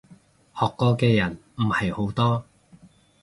學過嘅人唔係好多